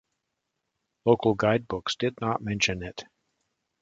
Local guidebooks did not mention it.